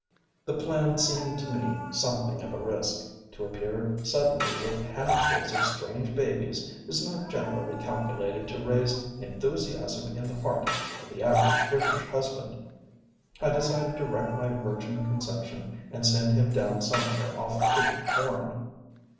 ŌĆØ The plan seemed to me something of a risk. To appear suddenly with handfuls of strange babies is not generally calculated to raise enthusiasm in the heart of the average British husband. I decided to wreck my virgin conception and send him down somewhere off Cape Horn.